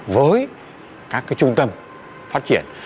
với các cái trung tâm phát triển